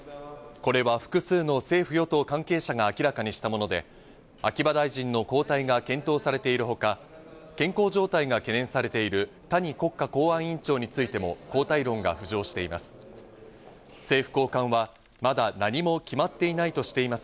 これは複数の政府・与党関係者が明らかにしたもので、秋葉大臣の交代が検討されているほか、健康状態が懸念されている谷国公安委員長についても交代論が浮上しています。